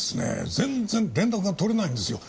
全然連絡が取れないんですよ。